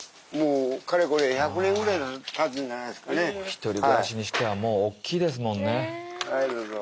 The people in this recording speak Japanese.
１人暮らしにしてはもうおっきいですもんね。